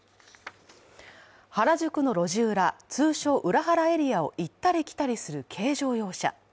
原宿の路地裏、通称・裏原エリアを行ったり来たりする軽乗用車。